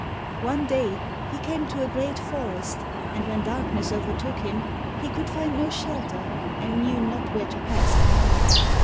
One day he came to a great forest, and when darkness overtook him he could find no shelter, and knew not where to pass the night.